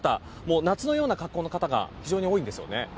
夏のような格好の方が非常に多いです。